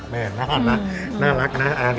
แม่น่ารักนะ